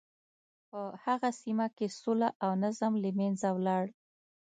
په هغه سیمه کې سوله او نظم له منځه ولاړ.